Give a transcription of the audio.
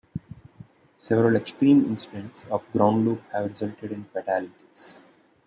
Several extreme incidents of ground loop have resulted in fatalities.